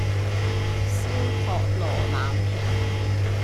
燒托羅腩皮